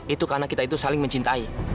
itu karena kita itu saling mencintai